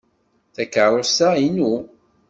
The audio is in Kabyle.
Takeṛṛust-a inu.